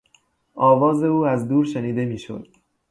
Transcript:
آواز او از دور شنیده میشد.